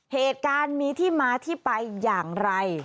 เหตุการณ์มีที่มาที่ไปอย่างไร